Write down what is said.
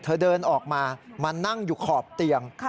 เธอเดินออกมามานั่งอยู่ขอบเตียง